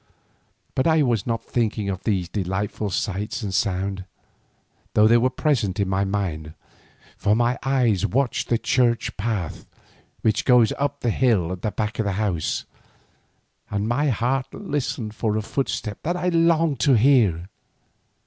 But I was not thinking of these delightful sights and sounds, though they were present in my mind, for my eyes watched the church path which goes up the hill at the back of the house, and my heart listened for a footstep that I longed to hear.